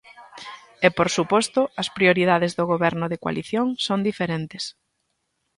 E, por suposto, as prioridades do Goberno de coalición son diferentes.